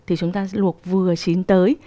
thì chúng ta luộc vừa chín tới